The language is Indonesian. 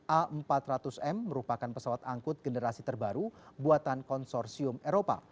a empat ratus m merupakan pesawat angkut generasi terbaru buatan konsorsium eropa